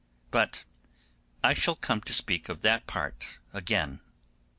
But I shall come to speak of that part again.